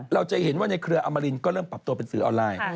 เราจะเห็นว่าในเครืออมรินก็เริ่มปรับตัวเป็นสื่อออนไลน์